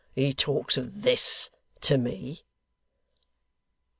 He talks of this to me!